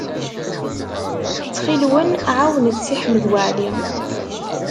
Ttxil-wen, ɛawnet Si Ḥmed Waɛli.